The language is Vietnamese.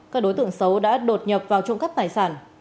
các đối tượng xấu đã đột nhập vào trộm cắp tài sản